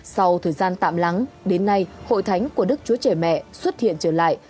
sau thời gian tạm lắng đến nay hội thánh của đức chúa trẻ mẹ xuất hiện trở lại